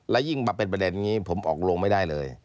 และยิ่งมาเป็นประเด็นอย่างนี้ผมออกลงไม่ได้เลย